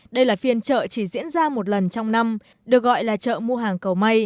đây là phiên chợ chỉ diễn ra một lần trong năm được gọi là chợ mua hàng cầu may